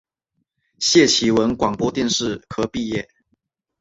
谢其文广播电视科毕业。